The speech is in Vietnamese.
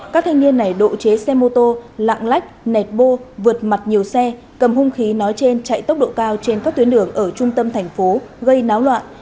các thanh niên này độ chế xe mô tô lạng lách nẹt bô vượt mặt nhiều xe cầm hung khí nói trên chạy tốc độ cao trên các tuyến đường ở trung tâm thành phố gây náo loạn